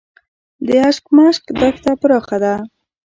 د اشکمش دښته پراخه ده